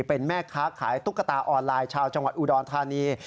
เป็นแม่ค้าขายตุ๊กตาออนไลน์ชาวจังหวัดอุดรธานี